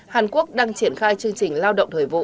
hàn quốc đang triển khai chương trình lao động thời vụ